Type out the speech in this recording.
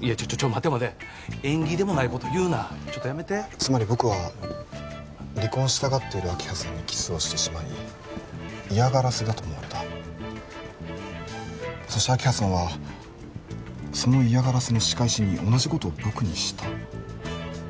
ちょちょ待て待て縁起でもないこと言うなちょっとやめてつまり僕は離婚したがってる明葉さんにキスをしてしまい嫌がらせだと思われたそして明葉さんはその嫌がらせの仕返しに同じことを僕にした？